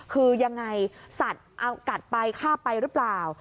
คือยังไงสัตว์เอากัดไปฆ่าไปหรือเปล่า